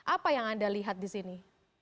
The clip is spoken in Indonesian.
apa yang anda lihat di sini